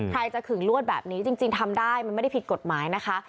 ใครจะขึงลวดแบบนี้จริงทำได้มันไม่ได้ผิดกฎหมายนะคะ